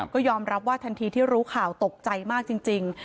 ก็ยอมรับว่าทันทีที่รู้ข่าวตกใจมากจริง